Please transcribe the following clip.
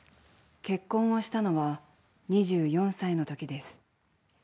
結婚をしたのは２４歳の時です。